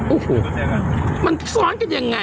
โอ้โหมันซ้อนกันยังไง